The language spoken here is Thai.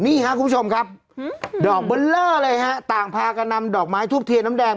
นี่ครับคุณผู้ชมครับดอกเบอร์เลอร์เลยฮะต่างพากันนำดอกไม้ทูบเทียนน้ำแดง